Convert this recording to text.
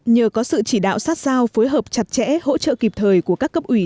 nhờ có sự chỉ đạo sát sao phối hợp chặt chẽ hỗ trợ kịp thời của các cấp ủy